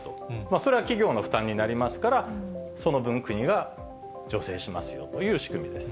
それは企業の負担になりますから、その分、国が助成しますよという仕組みです。